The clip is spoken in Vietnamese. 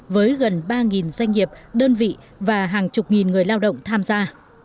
với gần ba doanh nghiệp đơn vị và hàng chục nghìn người lao động tham gia